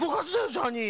ジャーニー。